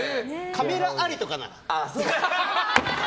カメラありとかなら。